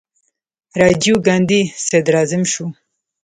راجیو ګاندي صدراعظم شو.